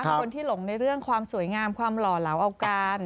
คนที่หลงในเรื่องความสวยงามความหล่อเหลาเอากัน